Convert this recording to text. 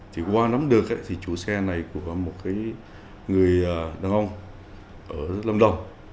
thì qua nắm được thì chủ xe này của một người đàn ông ở lâm đồng